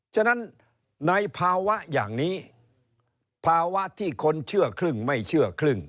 ฉะนั้นในภาวะอย่างนี้ภาวะที่คนเชื่อครึ่งไม่เชื่อครึ่ง